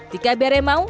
jika bere mau